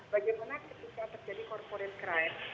bagaimana ketika terjadi corporate crime